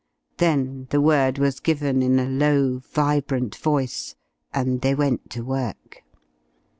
Then the word was given in a low, vibrant voice, and they went to work.